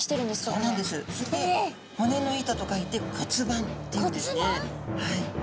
それで「骨の板」と書いて骨板っていうんですね。